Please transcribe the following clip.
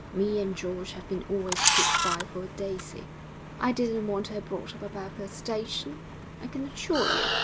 Me and George have been always put by for Daisy. I didn't want her brought up above her station, I can assure you.